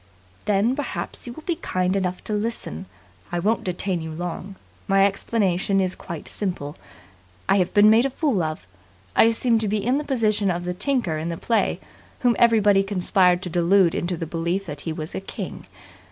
"Then, perhaps, you will be kind enough to listen. I won't detain you long. My explanation is quite simple. I have been made a fool of. I seem to be in the position of the tinker in the play whom everybody conspired to delude into the belief that he was a king.